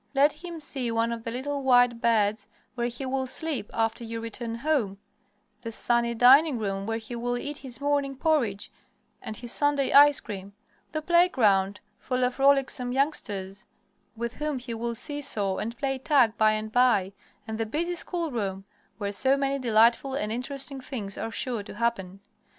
Let him see one of the little white beds where he will sleep after you return home, the sunny dining room where he will eat his morning porridge and his Sunday ice cream; the playground full of rollicksome youngsters, with whom he will seesaw and play tag by and by, and the busy schoolroom, where so many delightful and interesting things are sure to happen.